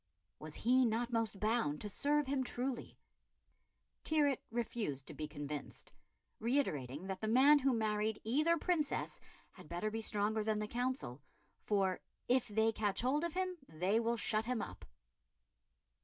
Was he not most bound to serve him truly? Tyrwhitt refused to be convinced, reiterating that the man who married either Princess had better be stronger than the Council, for "if they catch hold of him, they will shut him up."